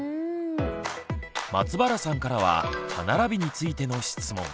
松原さんからは歯並びについての質問。